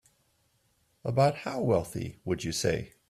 About how wealthy would you say?